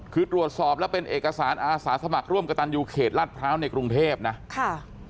คือตรวจสอบแล้วเป็นเอกสารอาสาสมัครร่วมกระตันยูเขตลาดพร้าวในกรุงเทพนะค่ะ